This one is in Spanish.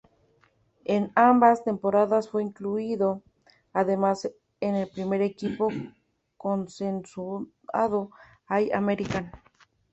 En ambas temporadas fue incluido además en el primer equipo consensuado All-American.